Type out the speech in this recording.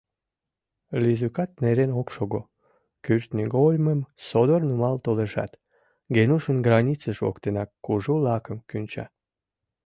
Лизукат нерен ок шого, кӱртньыгольмым содор нумал толешат, Генушын границыж воктенак кужу лакым кӱнча.